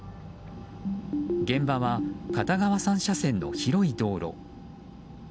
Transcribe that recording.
現場は片側３車線の広い道路。